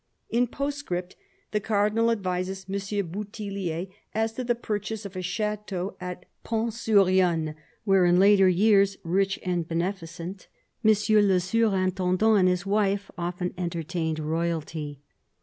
..." In a postscript, the Cardinal advises M. BouthUlier as to the purchase of a chateau at Pont sur Yonne, where in later years, rich and beneficent, M. le Surintendant and his wife often entertained royalty.